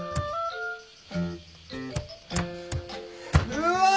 うわ！